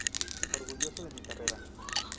Orgulloso de mi carrera.